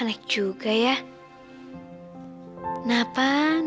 maksudnya nggak ga ada kehabisan